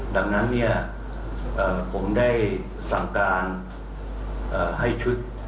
ดังนั้นเนี่ยเอ่อผมได้สั่งการเอ่อให้ชุด